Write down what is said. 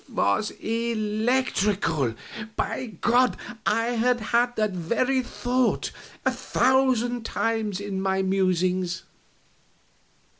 _" It was electrical. By God! I had had that very thought a thousand times in my musings!